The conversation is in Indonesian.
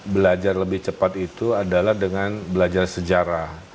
belajar lebih cepat itu adalah dengan belajar sejarah